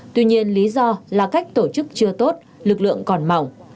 tuy nhiên lý do là cách tổ chức chưa tốt lực lượng còn mỏng